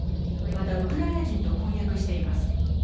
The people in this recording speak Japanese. またウクライナ人と婚約しています。